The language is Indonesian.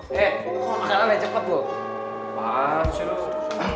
hei lu udah kelar garisin wc nya